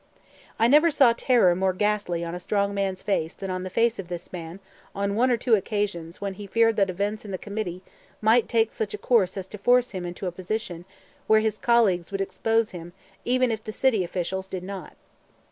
I never saw terror more ghastly on a strong man's face than on the face of this man on one or two occasions when he feared that events in the committee might take such a course as to force him into a position where his colleagues would expose him even if the city officials did not.